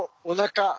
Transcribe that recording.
おなか。